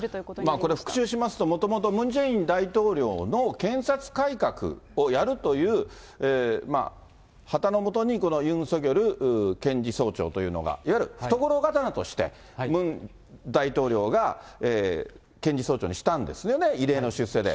これ、復習しますと、もともとムン・ジェイン大統領の検察改革をやるという旗のもとに、このユン・ソギョル前検事総長というのが、いわゆる懐刀としてムン大統領が検事総長にしたんですよね、異例の出世で。